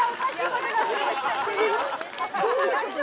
どういうこと？